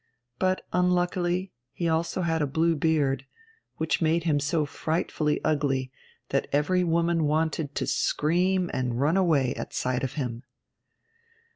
But unluckily he had also a blue beard, which made him so frightfully ugly that every woman wanted to scream and run away at sight of him.